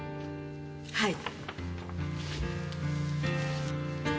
はい。